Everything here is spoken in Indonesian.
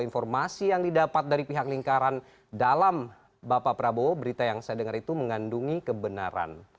informasi yang didapat dari pihak lingkaran dalam bapak prabowo berita yang saya dengar itu mengandungi kebenaran